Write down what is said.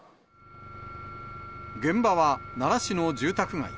現場は奈良市の住宅街。